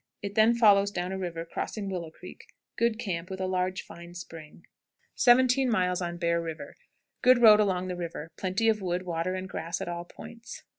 It then follows down the river, crossing Willow Creek. Good camp, with a large, fine spring. 17. Bear River. Good road along the river; plenty of wood, water, and grass at all points.